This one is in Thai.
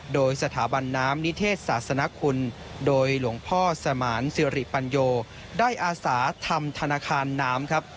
โดยสถาบันน้ำนิเทศศาสนคุณโดยหลวงพ่อสมานสิริปัญโยได้อาสาทำธนาคารน้ำครับ